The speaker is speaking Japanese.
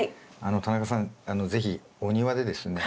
田中さん是非お庭でですね